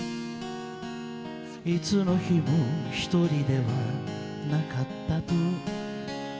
「いつの日もひとりではなかったと」